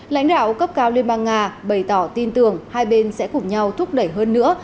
lãnh đạo cấp cao liên bang nga bày tỏ tin tưởng hai bên sẽ cùng nhau thúc đẩy hơn nữa